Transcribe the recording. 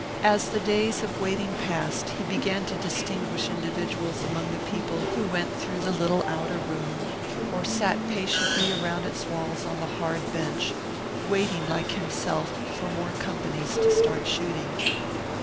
As the days of waiting passed he began to distinguish individuals among the people who went through the little outer room or sat patiently around its walls on the hard bench, waiting like himself for more companies to start shooting.